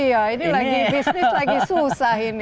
iya ini lagi bisnis lagi susah ini